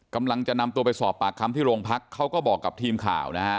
กำลังจะนำตัวไปสอบปากคำที่โรงพักเขาก็บอกกับทีมข่าวนะฮะ